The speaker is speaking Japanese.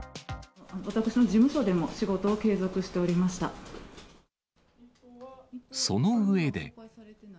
私の事務所でも仕事を継続しその上で。